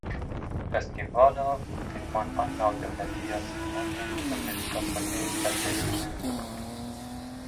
Festîvala Fîlman a Navdewletî ya Silêmaniyê bi mûzîka kurdî dest pê kir.